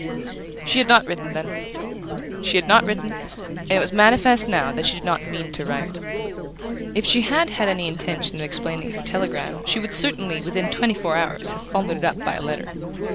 She had not written, then; she had not written, and it was manifest now that she did not mean to write. If she had had any intention of explaining her telegram she would certainly, within twenty four hours, have followed it up by a letter.